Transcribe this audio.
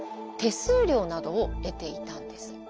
手数料などを得ていたんです。